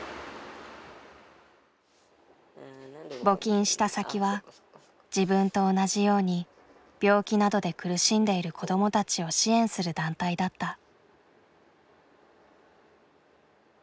募金した先は自分と同じように病気などで苦しんでいる子供たちを支援する団体だった。